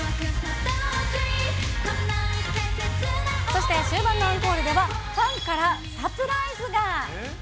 そして終盤のアンコールでは、ファンからサプライズが。